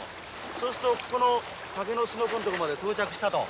そうするとここの竹のすのこのとこまで到着したと。